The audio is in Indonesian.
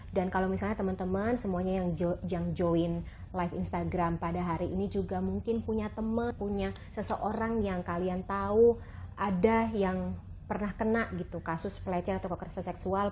dan kalau misalnya teman teman semuanya yang join live instagram pada hari ini juga mungkin punya teman punya seseorang yang kalian tahu ada yang pernah kena gitu kasus pelecehan atau kekerasan seksual